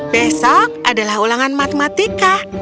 besok adalah ulangan matematika